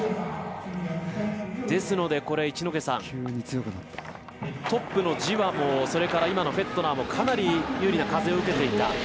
ですので、トップのジワもそれからフェットナーもかなり、有利な風を受けていた。